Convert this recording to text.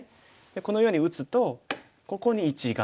このように打つとここに１眼。